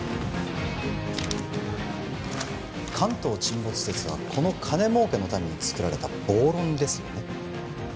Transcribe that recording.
関東沈没説はこの金儲けのためにつくられた暴論ですよね